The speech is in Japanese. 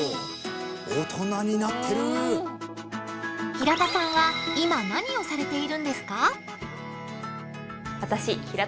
平田さんは今何をされているんですか？